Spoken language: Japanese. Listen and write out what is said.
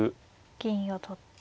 銀を取って。